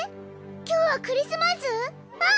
今日はクリスマス？あっ！